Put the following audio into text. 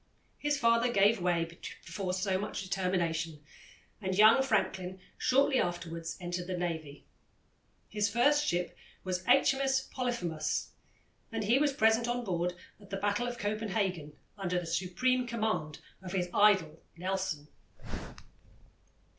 His father gave way before so much determination, and young Franklin shortly afterwards entered the Navy. His first ship was H.M.S. Polyphemus, and he was present on board at the battle of Copenhagen, under the supreme command of his idol Nelson.